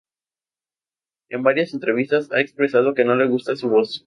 En varias entrevistas ha expresado que no le gusta su voz.